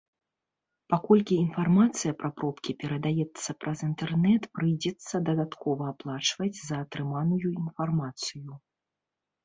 Паколькі інфармацыя пра пробкі перадаецца праз інтэрнэт, прыйдзецца дадаткова аплачваць за атрыманую інфармацыю.